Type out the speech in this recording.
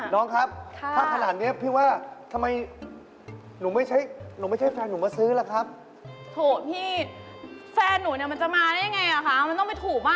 น้องครับถ้าขนาดนี้พี่ว่าทำไมหนูไม่ใช่แฟนหนูมาซื้อล่ะครับ